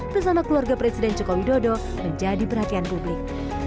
bersama keluarga presiden joko widodo menjadi perhatian publik